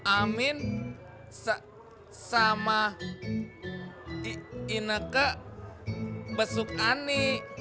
amin sama ineke besuk ani